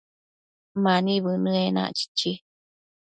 Mani bënë enac, chichi